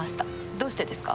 どうしてですか？